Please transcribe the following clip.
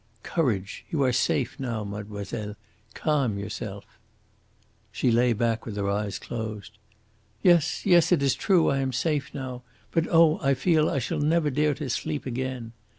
"Courage! You are safe now, mademoiselle. Calm yourself!" She lay back with her eyes closed. "Yes, yes; it is true. I am safe now. But oh! I feel I shall never dare to sleep again!"